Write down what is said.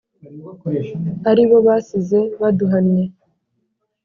aribo basize baduhannye